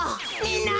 みんな！